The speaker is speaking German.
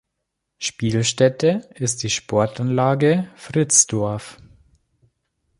Spielstätte ist die Sportanlage Fritzdorf.